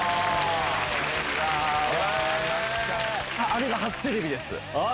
あれが初テレビです。